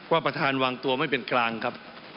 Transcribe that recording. ประธานวางตัวไม่เป็นกลางครับ